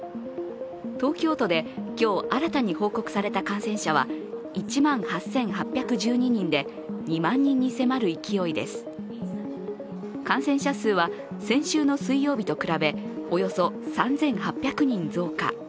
東京都で今日新たに報告された感染者は１万８８１２人で感染者数は、先週の水曜日と比べおよそ３８００人増加。